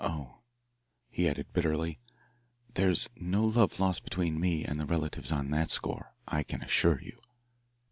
Oh," he added bitterly, "there's no love lost between me and the relatives on that score, I can assure you."